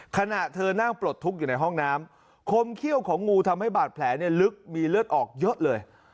ขณะเธอนั่งปลดทุกข์อยู่ในห้องน้ำคมเขี้ยวของงูทำให้บาดแผลลึกมีเลือดออกเยอะเลย